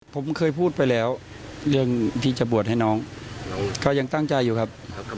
ผมเคยพูดไปแล้วเรื่องที่จะบวชให้น้องก็ยังตั้งใจอยู่ครับ